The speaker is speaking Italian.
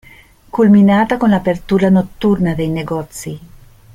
Culminata con l'apertura notturna dei negozi.